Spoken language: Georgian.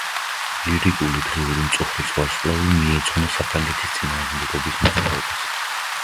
ლირიკული დღიური „მწუხრის ვარსკვლავი“ მიეძღვნა საფრანგეთის „წინააღმდეგობის“ მოძრაობას.